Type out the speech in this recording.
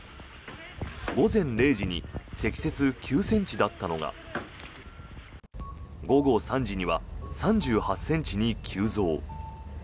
午前０時に積雪９ｃｍだったのが午後３時には３８ｃｍに急増。